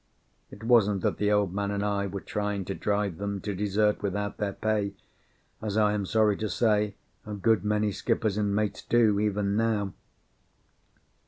It wasn't that the Old Man and I were trying to drive them to desert without their pay, as I am sorry to say a good many skippers and mates do, even now.